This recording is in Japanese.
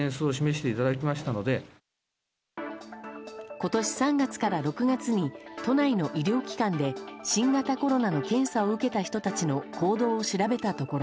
今年３月から６月に都内の医療機関で新型コロナの検査を受けた人たちの行動を調べたところ